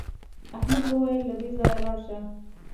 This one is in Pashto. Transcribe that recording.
احمد وویل له دې ځایه لاړ شه.